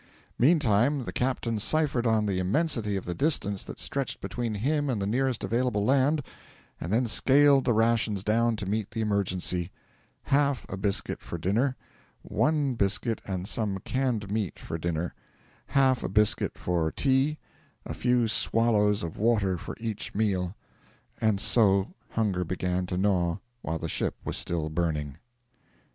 Meantime the captain ciphered on the immensity of the distance that stretched between him and the nearest available land, and then scaled the rations down to meet the emergency; half a biscuit for dinner; one biscuit and some canned meat for dinner; half a biscuit for tea; a few swallows of water for each meal. And so hunger began to gnaw while the ship was still burning.